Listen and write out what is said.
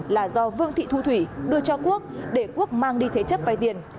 là do vương thị thu thủy đưa cho quốc để quốc mang đi thế chấp vay tiền